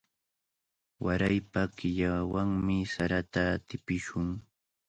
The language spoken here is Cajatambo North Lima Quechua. Waraypa killawanmi sarata tipishun.